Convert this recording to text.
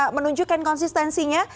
bisa menunjukkan konsistensinya